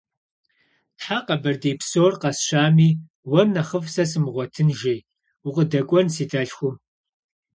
Тхьэ, Къэбэрдей псор къэсщами, уэр нэхъыфӏ сэ сымыгъуэтын!- жи. - Укъыдэкӏуэн си дэлъхум?